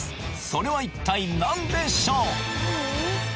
それは一体何でしょう？